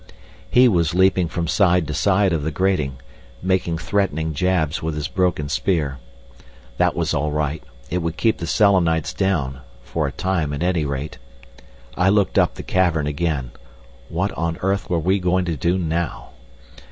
He was leaping from side to side of the grating, making threatening jabs with his broken spear. That was all right. It would keep the Selenites down—for a time at any rate. I looked up the cavern again. What on earth were we going to do now?